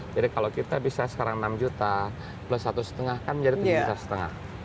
jadi kalau kita bisa sekarang enam juta plus satu lima kan menjadi tujuh lima juta